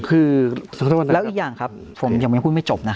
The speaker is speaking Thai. คือแล้วยกอื่นอย่างครับผมยังไม่พูดไม่จบนะครับ